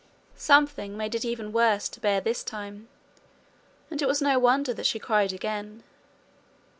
Something made it even worse to bear this time, and it was no wonder that she cried again.